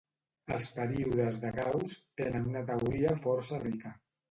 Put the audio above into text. Els períodes de Gauss tenen una teoria força rica.